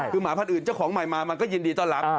คือหมาพันธุ์อื่นเจ้าของใหม่มามันก็ยินดีต้อนรับ